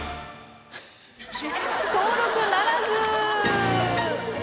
登録ならず。